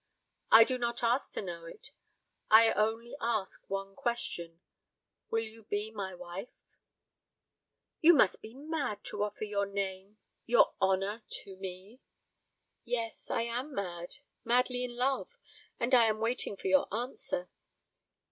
"I do not ask to know it. I only ask one question will you be my wife?" "You must be mad to offer your name, your honour to me." "Yes, I am mad madly in love. And I am waiting for your answer.